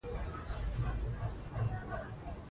د دوی لار تعقیب کړو.